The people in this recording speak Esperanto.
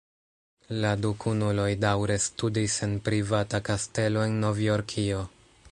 La du kunuloj daŭre studis en privata kastelo en Novjorkio.